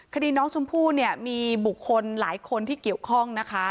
คดีน้องชมพู่เนี่ยมีบุคคลหลายคนที่เกี่ยวข้องนะคะ